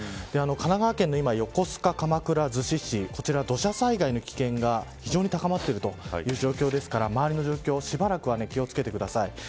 神奈川県の横須賀、鎌倉、逗子土砂災害の危険が非常に高まっている状況ですから周りの状況にしばらくは気を付けてください。